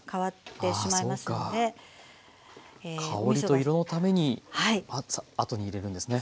香りと色のためにあとに入れるんですね。